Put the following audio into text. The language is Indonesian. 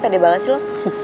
tadi banget sih lo